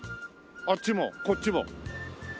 あっちもこっちも。